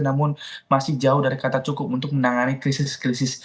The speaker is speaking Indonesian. namun masih jauh dari kata cukup untuk menangani krisis krisis